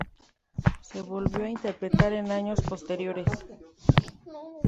Se volvió a interpretar en años posteriores.